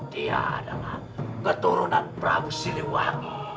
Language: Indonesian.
dia adalah keturunan prabu siliwangi